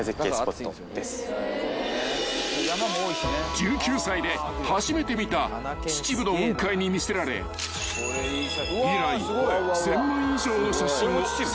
［１９歳で初めて見た秩父の雲海に魅せられ以来１，０００枚以上の写真を撮影してきた］